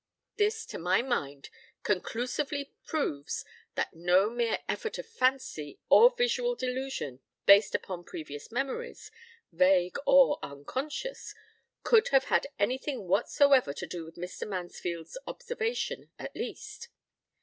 This, to my mind, conclusively proves that no mere effort of fancy or visual delusion based upon previous memories, vague or conscious, could have had anything whatsoever to do with Mr. Mansfield's observation at least.